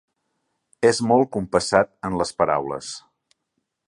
És molt compassat en les paraules.